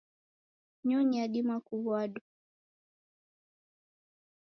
Nyonyi yadima kuwadwa